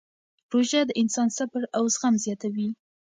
روژه د انسان صبر او زغم زیاتوي.